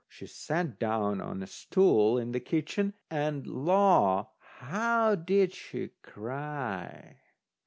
She sat down on a stool in the kitchen, and law, how she did cry!